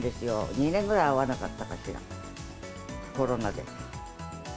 ２年ぐらい会わなかったかしら、コロナで。